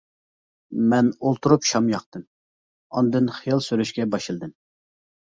مەن ئولتۇرۇپ، شام ياقتىم، ئاندىن خىيال سۈرۈشكە باشلىدىم.